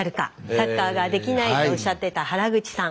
サッカーができないとおっしゃってた原口さん。